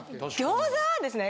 餃子はですね